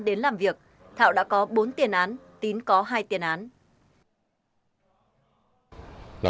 đến làm việc thảo đã có bốn tiền án tín có hai tiền án